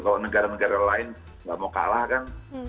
kalau negara negara lain nggak mau kalah kan